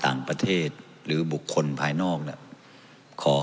ท่านประธานครับนี่คือสิ่งที่สุดท้ายของท่านครับ